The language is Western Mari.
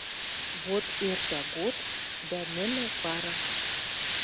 Вот эртӓ год, дӓ нӹнӹ вара